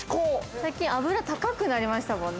◆最近、油高くなりましたもんね。